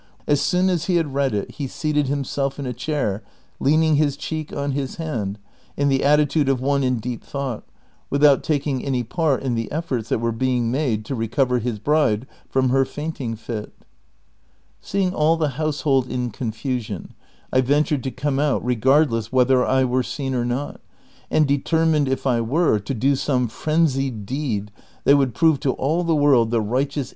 As soon as he had n ad it he seated himself in a chair leaning his cheek on his hand in the attitude of one in deep thought, without taking any part in the cfibrts that were being made to recover his bride from her fainting Seeing all the household in confusion, I ventured to come out re gai'dless whether I were seen or not, and determined if I were, to do some frenzied deed that would prove to all the world the righteous CHAPTER XXVIT.